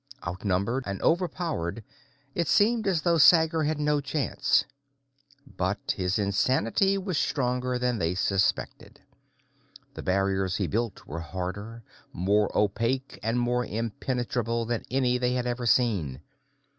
Outnumbered and overpowered, it seemed as though Sager had no chance. But his insanity was stronger than they suspected. The barriers he built were harder, more opaque, and more impenetrable than any they had ever seen.